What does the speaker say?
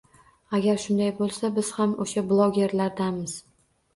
Agar shunday bo'lsa, biz ham o'sha bloggerlardanmiz